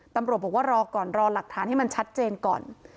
ตำรวจบอกว่ารอก่อนรอหลักฐานให้มันชัดเจนก่อน